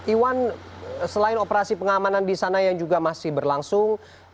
iwan selain operasi pengamanan di sana yang juga masih berlangsung